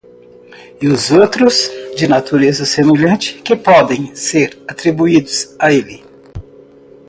E outros, de natureza semelhante, que podem ser atribuídos a ele.